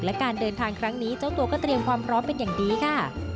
และการเดินทางครั้งนี้เจ้าตัวก็เตรียมความพร้อมเป็นอย่างดีค่ะ